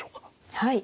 はい。